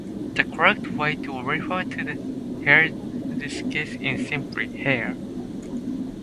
The correct way to refer to the hair in this case is simply "hair".